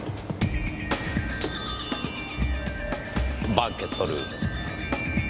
バンケットルーム。